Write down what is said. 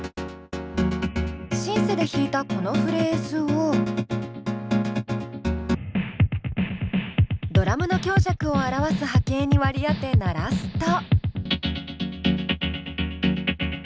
シンセで弾いたこのフレーズをドラムの強弱を表す波形に割り当て鳴らすと。